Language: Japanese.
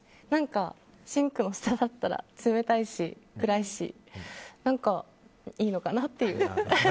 シンクの下だったら冷たいし暗いし何か、いいのかなって。